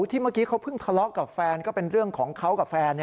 เมื่อกี้เขาเพิ่งทะเลาะกับแฟนก็เป็นเรื่องของเขากับแฟน